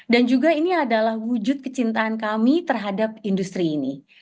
dan juga ini adalah wujud kecintaan kami terhadap industri ini